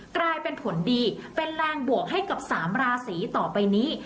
กลายเป็นผลดีเป็นแรงบวกให้กับ๓ราศีต่อไปนี้